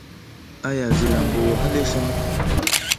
ایا زه لامبو وهلی شم؟